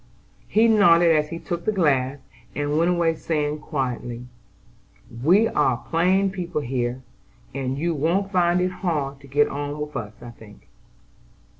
He nodded as he took the glass, and went away saying quietly: "We are plain people here, and you won't find it hard to get on with us, I think."